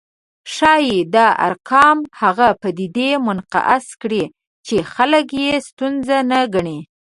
ښايي دا ارقام هغه پدیدې منعکس کړي چې خلک یې ستونزه نه ګڼي